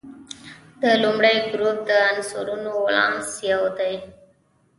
د لومړي ګروپ د عنصرونو ولانس یو دی.